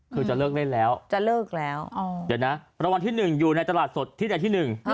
คือจะเลิกได้แล้วจะเลิกแล้วอ๋อเดี๋ยวนะประวัติที่หนึ่งอยู่ในตลาดสดที่ในที่หนึ่ง